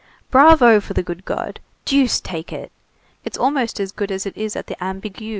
Bravo for the good God! Deuce take it! It's almost as good as it is at the Ambigu."